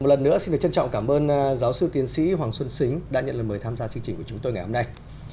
một lần nữa xin được trân trọng cảm ơn giáo sư tiến sĩ hoàng xuân xính đã nhận lời mời tham gia chương trình của chúng tôi ngày hôm nay